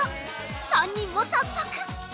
３人も早速。